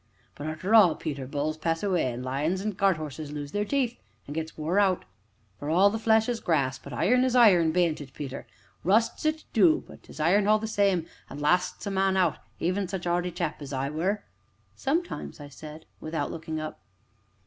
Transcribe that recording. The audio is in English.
"But arter all, Peter, bulls pass away, an' lions, an' cart 'orses lose their teeth, an' gets wore out, for 'all flesh is grass' but iron's iron, bean't it, Peter rusts it do, but 'tis iron all the same, an' lasts a man out even such a 'earty chap as I were?" "Sometimes," said I, without looking up.